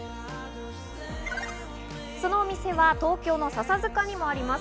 そのお店は東京の笹塚にもあります